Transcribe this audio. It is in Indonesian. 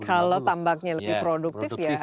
kalau tambaknya lebih produktif ya